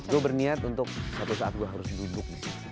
gue berniat untuk suatu saat gue harus duduk nih